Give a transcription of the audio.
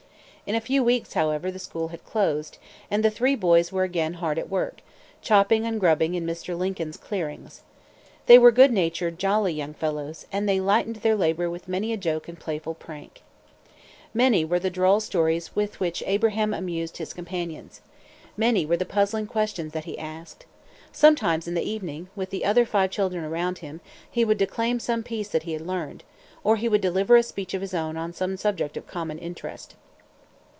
In a few weeks, however, the school had closed; and the three boys were again hard at work, chopping and grubbing in Mr. Lincoln's clearings. They were good natured, jolly young fellows, and they lightened their labor with many a joke and playful prank. Many were the droll stories with which Abraham amused his two companions. Many were the puzzling questions that he asked. Sometimes in the evening, with the other five children around him, he would declaim some piece that he had learned; or he would deliver a speech of his own on some subject of common interest.